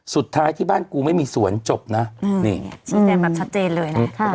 สุดท้ายที่บ้านกูไม่มีสวนจบนะนี่ไงชี้แจงแบบชัดเจนเลยนะ